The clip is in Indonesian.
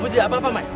mau jadi apa apa mai